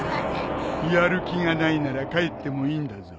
やる気がないなら帰ってもいいんだぞ。